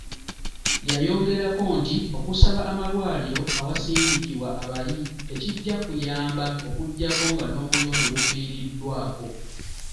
Yayongerako nti okusaba amalwaliro awasindikibwa abayi tekijja kuyamba okugyako nga n'obuyonjo bufiiriddwako.